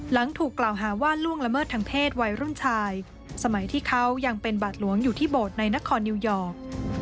หลังถูกกล่าวหาว่าล่วงละเมิดทางเพศวัยรุ่นชายสมัยที่เขายังเป็นบาทหลวงอยู่ที่โบสถ์ในนครนิวยอร์ก